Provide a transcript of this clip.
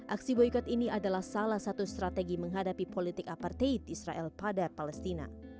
aksi boykot ini adalah salah satu strategi menghadapi politik aparted israel pada palestina